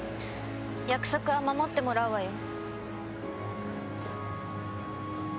約束は守ってもらうわよ。